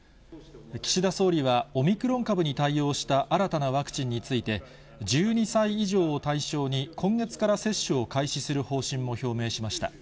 岸田総理は、オミクロン株に対応した新たなワクチンについて、１２歳以上を対象に、今月から接種を開始する方針も表明しました。